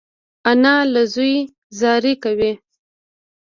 انا له زوی زاری کوي